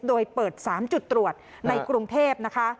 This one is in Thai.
โดยเปิด๓จุดตรวจในกรุงเทพนะคะ